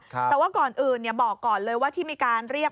แต่ว่าก่อนอื่นบอกก่อนเลยว่าที่มีการเรียก